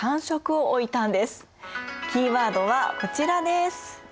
キーワードはこちらです。